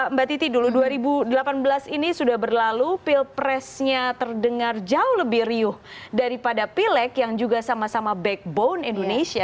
mbak titi dulu dua ribu delapan belas ini sudah berlalu pilpresnya terdengar jauh lebih riuh daripada pileg yang juga sama sama backbone indonesia